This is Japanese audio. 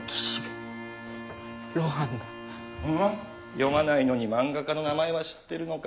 読まないのに漫画家の名前は知ってるのか。